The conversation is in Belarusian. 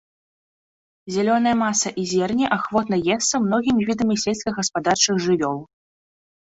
Зялёная маса і зерне ахвотна есца многімі відамі сельскагаспадарчых жывёл.